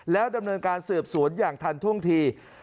แล้วดำเนินการสืบสวนอย่างทันท่วงที